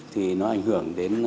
thì nó ảnh hưởng đến